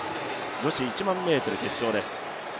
女子１００００ｍ決勝です。